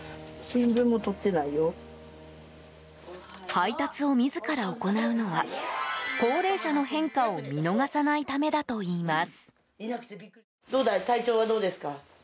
配達を自ら行うのは高齢者の変化を見逃さないためだといいます。